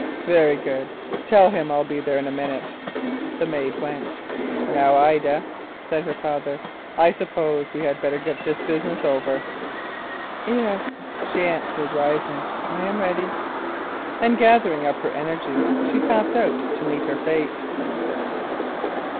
"Very good. Tell him I will be there in a minute." The maid went. "Now, Ida," said her father, "I suppose that we had better get this business over." "Yes," she answered, rising; "I am ready." And gathering up her energies, she passed out to meet her fate.